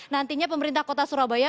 nantinya pemerintah kota surabaya